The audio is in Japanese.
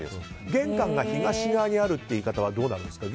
玄関が東側にあるという言い方はどうなんですか？